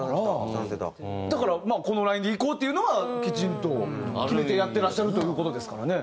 だからまあこのラインでいこうっていうのはきちんと決めてやってらっしゃるという事ですからね。